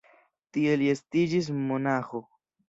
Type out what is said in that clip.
Tie li estiĝis monaĥo.